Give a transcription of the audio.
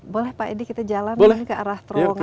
boleh pak edi kita jalankan ke arah terowongan